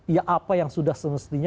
ya apa yang sudah semestinya